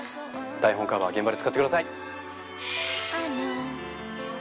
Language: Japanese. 台本カバー現場で使ってください！